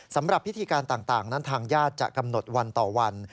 สำหรับพิธีการต่างนั้นทางญาติจะกำหนดวันต่อวัน